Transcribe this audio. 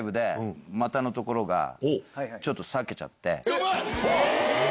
ヤバい！